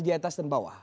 di atas dan bawah